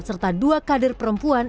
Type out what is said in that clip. serta dua kader perempuan